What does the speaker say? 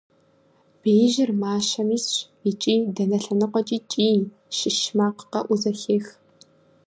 Беижьыр мащэм исщ, икӀи дэнэ лъэныкъуэкӀи кӀий, щыщ макъ къэӀуу зэхех.